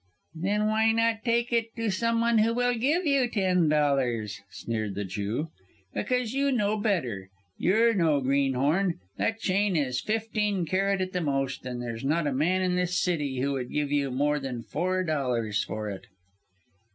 "Then why not take it to some one who will give you ten dollars!" sneered the Jew. "Because you know better. You're no greenhorn. That chain is fifteen carat at the most, and there's not a man in this city who would give you more than four dollars for it."